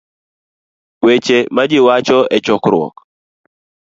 weche ma ji wacho e chokruok